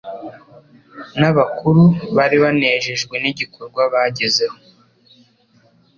n'abakuru bari banejejwe n'igikorwa bagezeho.